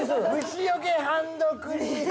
虫よけハンドクリーム！